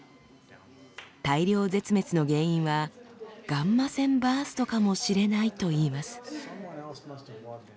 大量絶滅の原因はガンマ線バーストかもしれないと言います。